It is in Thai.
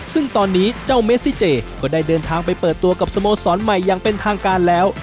ซึ่งตอนนี้เจ้าเมซิเจก็ได้เดินทางไปเปิดตัวกับสโมสรใหม่อย่างเป็นทางการแล้ว